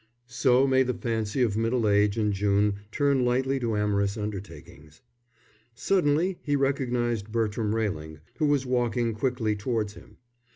So may the fancy of middle age in June turn lightly to amorous undertakings. Suddenly he recognized Bertram Railing, who was walking quickly towards him.